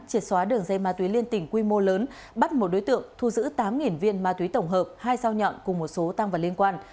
triệt xóa đường dây ma túy liên tỉnh quy mô lớn bắt một đối tượng thu giữ tám viên ma túy tổng hợp hai sao nhọn cùng một số tăng vật liên quan